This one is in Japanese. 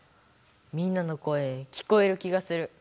みんなの声聞こえる気がする。